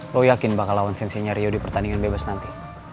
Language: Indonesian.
lo yakin bakal lawan sensinya rio di pertandingan bebas nanti